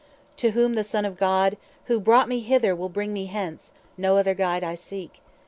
To whom the Son of God:—"Who brought me hither Will bring me hence; no other guide I seek."